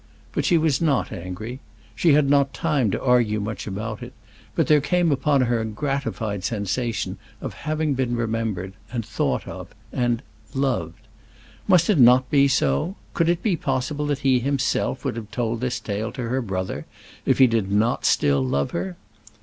But she was not angry. She had not time to argue much about it, but there came upon her a gratified sensation of having been remembered, and thought of, and loved. Must it not be so? Could it be possible that he himself would have told this tale to her brother, if he did not still love her?